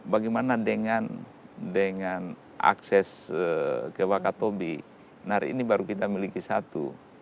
bagaimana dengan akses ke wakatobi hari ini baru kita miliki satu